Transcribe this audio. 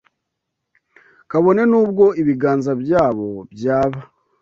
kabone n’ubwo ibiganza byabo byaba